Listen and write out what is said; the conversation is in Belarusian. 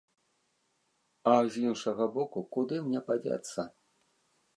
А з іншага боку, куды мне падзецца?